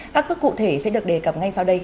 các bước cụ thể sẽ được đề cập ngay sau đây